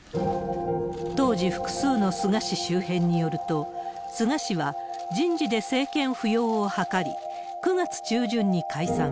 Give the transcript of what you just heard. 当時、複数の菅氏周辺によると、菅氏は、人事で政権浮揚を図り、９月中旬に解散。